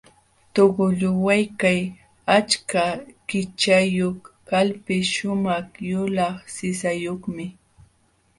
Tuqulluwaykaq achka kichkayuq kalpis shumaq yulaq sisayuqmi.